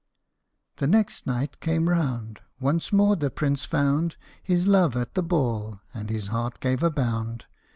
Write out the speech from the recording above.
The next night came round once more the Prince found His love at the ball and his heart gave a bound